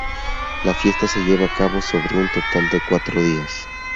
La fiesta se lleva a cabo sobre un total de cuatro días.